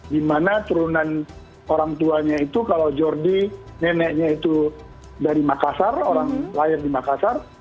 dimana turunan orang tuanya itu kalau jordi neneknya itu dari makassar orang lain di makassar